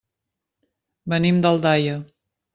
Venim d'Aldaia.